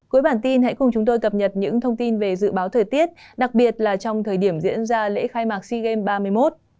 cuối bản tin hãy cùng chúng tôi cập nhật những thông tin về dự báo thời tiết đặc biệt là trong thời điểm diễn ra lễ khai mạc sea games ba mươi một